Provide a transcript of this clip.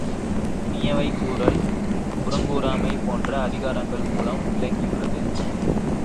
இனியவை கூறல், புறங்கூராமை போன்ற அதிகாரங்கள் மூலம் விளக்கியுள்ளது.